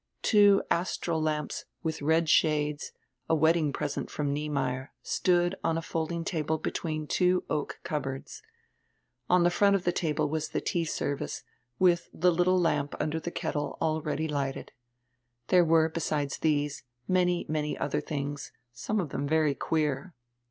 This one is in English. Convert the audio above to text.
Two astral lamps with red shades, a wedding present from Niemeyer, stood on a fold ing table between two oak cupboards. On die front of die table was die tea service, with die little lamp under die ketde already lighted. There were, beside these, many, many other tilings, some of diem very queer.